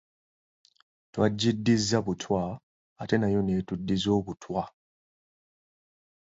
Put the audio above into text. Twagiddiza butwa nayo n'etuddiza obutwa